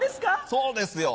そうですよ。